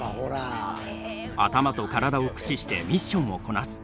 頭と体を駆使してミッションをこなす。